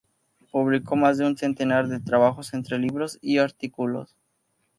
Publicó más de un centenar de trabajos, entre libros y artículos.